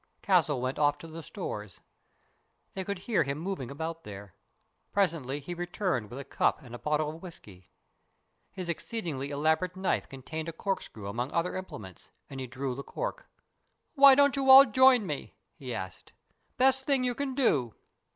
Castle went off to the stores. They could hear him moving about there. Presently he returned with a cup and a bottle of whisky. His exceed ingly elaborate knife contained a corkscrew amongst other implements, and he drew the cork. " Why don't you all join me ?" he asked. " Best thing you can do."